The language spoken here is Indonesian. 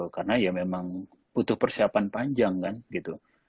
karena ya memang butuh persiapan panjang kan gitu